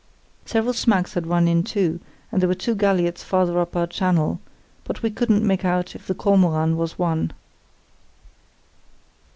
Several smacks had run in too, and there were two galliots farther up our channel, but we couldn't make out if the Kormoran was one.